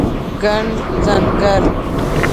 ګڼ ځنګل